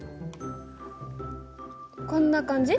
こんな感じ？